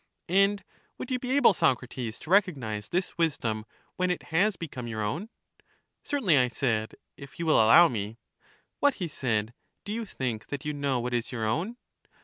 And would you be able, Socrates, to recognize this wisdom when it has become your own? Certainly, I said, if you will allow me. What, he said, do you think that you know what is your own?